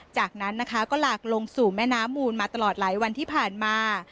จากนั้นนะคะก็หลากลงสู่แม่น้ำมูลมาตลอดหลายวันที่ผ่านมา